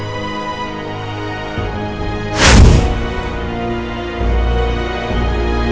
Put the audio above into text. saya harus melakukan sesuatu yang baik